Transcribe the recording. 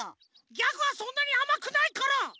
ギャグはそんなにあまくないから！